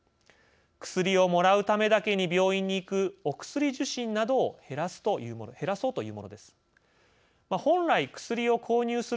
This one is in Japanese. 薬をもらうためだけに病院に行く「おくすり受診」などを減らそうというものです。